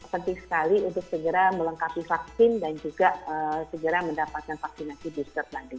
penting sekali untuk segera melengkapi vaksin dan juga segera mendapatkan vaksinasi booster nanti